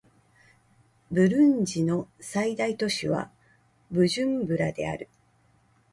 ブルンジの最大都市はブジュンブラである